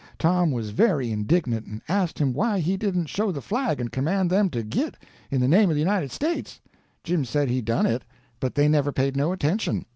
Tom was very indignant, and asked him why he didn't show the flag and command them to git, in the name of the United States. Jim said he done it, but they never paid no attention.